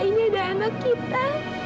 ini ada anak kita